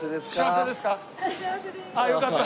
ああよかった。